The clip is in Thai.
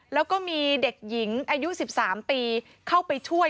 แล้วก็มีเด็กหญิงอายุ๑๓ปีเข้าไปช่วย